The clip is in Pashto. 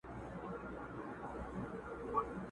هر سړي ته خپله ورځ او قسمت ګوري!.